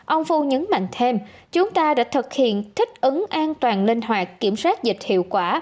ông phu nhấn mạnh thêm chúng ta đã thực hiện thích ứng an toàn linh hoạt kiểm soát dịch hiệu quả